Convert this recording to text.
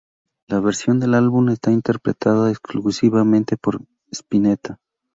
La versión del álbum está interpretada exclusivamente por Spinetta.